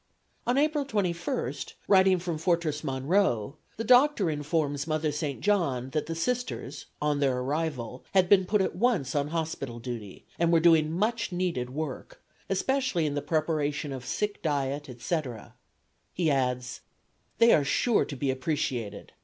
On April 21, writing from Fortress Monroe, the Doctor informs Mother St. John that the Sisters on their arrival had been put at once on hospital duty, and were doing much needed work, especially in the preparation of sick diet, etc. He adds: "They are sure to be appreciated.